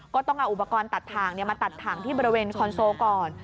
ก็ต้องเอาอุปกรณ์ตัดถ่างมาตัดถังที่บริเวณคอนโซลก่อน